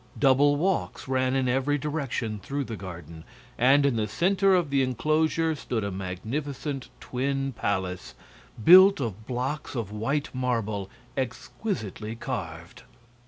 Double walks ran in every direction through the garden, and in the center of the inclosure stood a magnificent twin palace, built of blocks of white marble exquisitely carved.